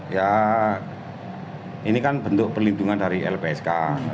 ya ini kan bentuk perlindungan dari lpsk